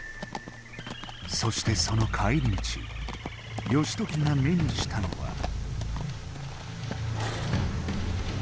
そしてその帰り道義時が目にしたのは。